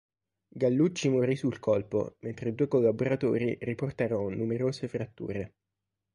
Gallucci morì sul colpo, mentre i due collaboratori riportarono numerose fratture.